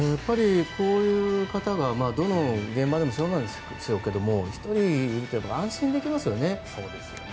こういう方がどの現場でもそうでしょうけど１人いると安心できますよね。